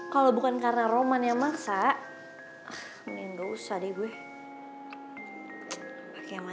kalau bener bener gue mau pergi gue mau pergi